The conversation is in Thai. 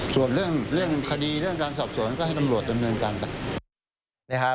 ส่วนเรื่องคดีเรื่องการสอบสวนก็ให้ตำรวจดำเนินการไป